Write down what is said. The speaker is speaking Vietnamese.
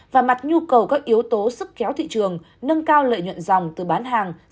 và mặt nhu cầu các yếu tố sức kéo thị trường nâng cao lợi nhuận dòng từ bán hàng